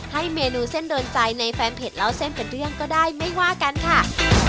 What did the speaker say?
ให้เมนูเส้นโดนใจในแฟนเพจเล่าเส้นเป็นเรื่องก็ได้ไม่ว่ากันค่ะ